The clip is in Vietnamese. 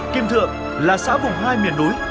kim thượng là xã vùng hai miền núi